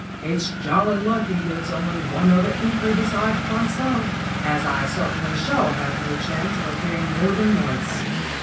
It's jolly lucky there's only one other entry besides myself, as I certainly shall have no chance of appearing more than once.